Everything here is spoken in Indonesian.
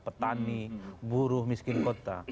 petani buruh miskin kota